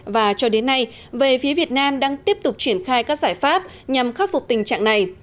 và cho đến nay về phía việt nam đang tiếp tục triển khai các giải pháp nhằm khắc phục tình trạng này